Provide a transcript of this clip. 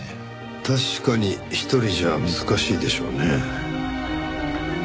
確かに１人じゃ難しいでしょうね。